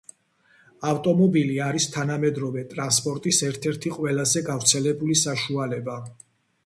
ავტომობილი არის თანამედროვე ტრანსპორტის ერთ-ერთი ყველაზე გავრცელებული საშუალება.